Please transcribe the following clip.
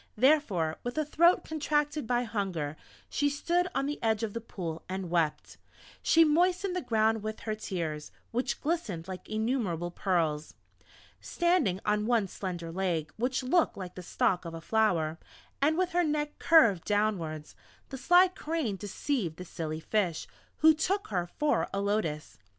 Therefore, with a throat contracted by hunger, she stood on the edge of the Pool and wept; she moistened the ground with her tears, which glistened like innumerable pearls. Standing on one slender leg which looked like the stalk of a flower, and with her neck curved downwards, the sly Crane deceived the silly Fish, who took her for a Lotus.